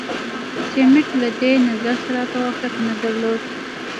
سمیت له دې نظر سره توافق نه درلود.